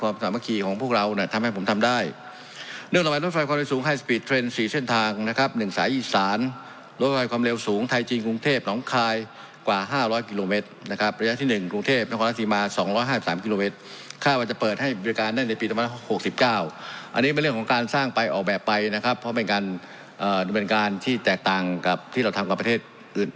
อันนี้เป็นเรื่องของการสร้างไปออกแบบไปนะครับเพราะเป็นการเอ่อเป็นการที่แจกตังค์กับที่เราทำกับประเทศอื่น